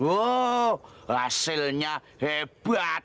oh hasilnya hebat